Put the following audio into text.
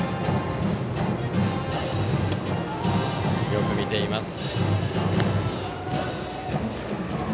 よく見ています。